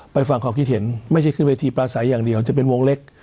ฟังความคิดเห็นไม่ใช่ขึ้นเวทีปลาใสอย่างเดียวจะเป็นวงเล็ก